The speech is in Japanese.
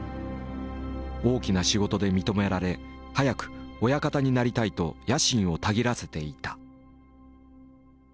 大きな仕事で認められ早く親方になりたいと野心をたぎらせていた。